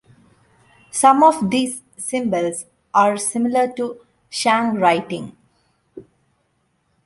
Some of these symbols are similar to Shang writing.